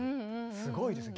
すごいですね。